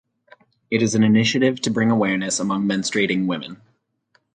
It is an initiative to bring awareness among menstruating women.